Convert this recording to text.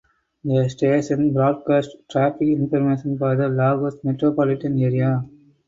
The station broadcasts traffic information for the Lagos metropolitan area.